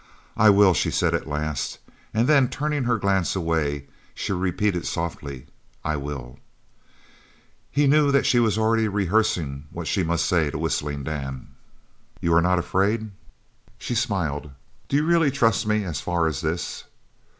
"I will," she said at last, and then turning her glance away she repeated softly, "I will." He knew that she was already rehearsing what she must say to Whistling Dan. "You are not afraid?" She smiled. "Do you really trust me as far as this?"